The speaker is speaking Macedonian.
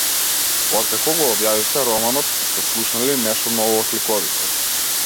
Откако го објавивте романот, сте слушнале ли нешто ново од ликовите?